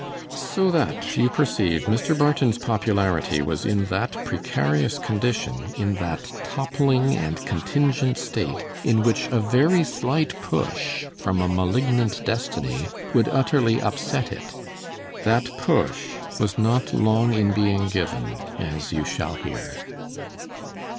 So that, you perceive, Mr. Barton's popularity was in that precarious condition, in that toppling and contingent state, in which a very slight push from a malignant destiny would utterly upset it. That push was not long in being given, as you shall hear.